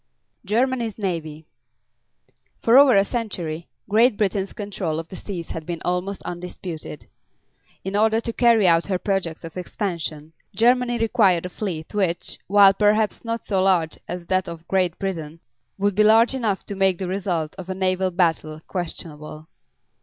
GERMANY'S NAVY. For over a century Great Britain's control of the seas had been almost undisputed. In order to carry out her projects of expansion, Germany required a fleet which, while perhaps not so large as that of Great Britain, would be large enough to make the result of a naval battle questionable.